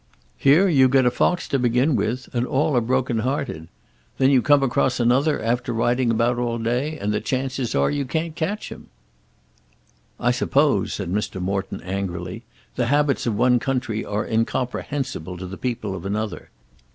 Here you get a fox to begin with, and are all broken hearted. Then you come across another, after riding about all day, and the chances are you can't catch him!" "I suppose," said Mr. Morton angrily, "the habits of one country are incomprehensible to the people of another.